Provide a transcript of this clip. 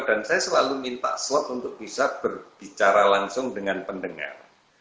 dan saya selalu minta slot untuk bisa berbicara langsung dengan pendengar